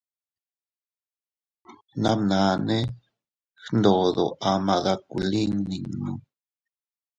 Bnabnane gndodo ama dakulin ninno.